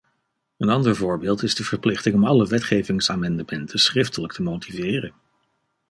Een ander voorbeeld is de verplichting om alle wetgevingsamendementen schriftelijk te motiveren.